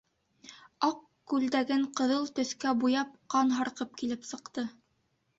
Аҡ күлдәген ҡыҙыл төҫкә буяп ҡан һарҡып килеп сыҡты.